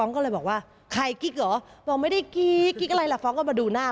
ก็เลยบอกว่าใครกิ๊กเหรอบอกไม่ได้กิ๊กกิ๊กอะไรล่ะฟ้องก็มาดูหน้า